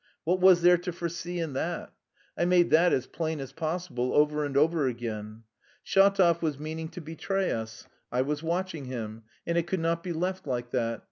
What was there to foresee in that? I made that as plain as possible over and over again. Shatov was meaning to betray us; I was watching him, and it could not be left like that.